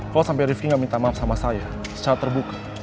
kalau sampai rifki nggak minta maaf sama saya secara terbuka